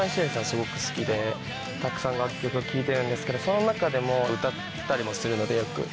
すごく好きでたくさん楽曲聴いてるんですけどその中でも歌ったりもするのでよく。